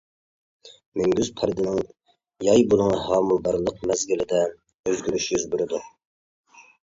مۈڭگۈز پەردىنىڭ ياي بۇلۇڭى ھامىلىدارلىق مەزگىلىدە ئۆزگىرىش يۈز بېرىدۇ.